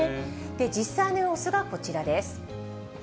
実際の様子がこちらです。